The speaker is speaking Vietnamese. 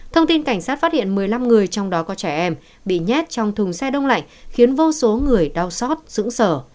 thông tin cảnh sát phát hiện một mươi năm người trong đó có trẻ em bị nhét trong thùng xe đông lạnh khiến vô số người đau xót dững sở